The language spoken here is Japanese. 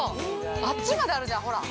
あっちまであるじゃん、ほら。